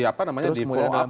apa namanya di follow up gitu ya